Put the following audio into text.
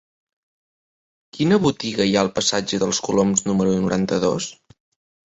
Quina botiga hi ha al passatge dels Coloms número noranta-dos?